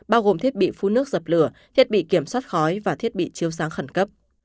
bao gồm thiết bị phun nước dập lửa thiết bị kiểm soát khói và thiết bị chiếu sáng khẩn cấp